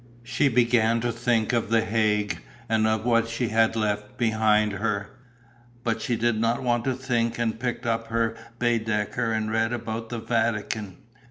She began to think of the Hague and of what she had left behind her. But she did not want to think and picked up her Baedeker and read about the Vatican.